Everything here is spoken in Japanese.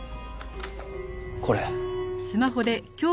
これ。